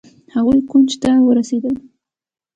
هغوئ کونج ته ورسېدل.